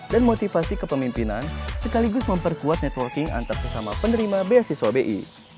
dan motivasi kepemimpinan sekaligus memperkuat networking antar sesama penerima beasiswa bi